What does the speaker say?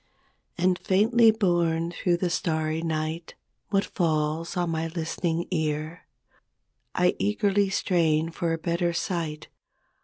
And faintly borne through the starry night What falls on my listening ear? I eagerly strain for a better sight.